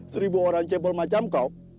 seribu orang cebol macam kaup